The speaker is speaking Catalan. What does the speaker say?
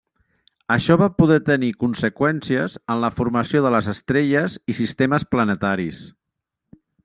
Això va poder tenir conseqüències en la formació de les estrelles i sistemes planetaris.